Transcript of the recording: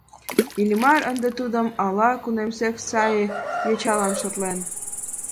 Иллимар ынде тудым ала-кунамсек сай йочалан шотлен.